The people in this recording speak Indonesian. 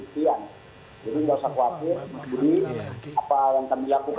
pasti tidak akan ditujuk